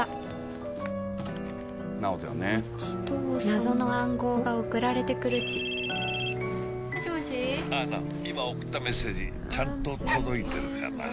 「謎の暗号が送られてくるし」「もしもし」「今送ったメッセージちゃんと届いてるかな？」